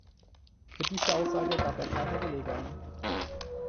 Für diese Aussage gab er keine Belege an.